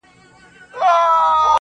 • یو ډارونکی، ورانونکی شی خو هم نه دی.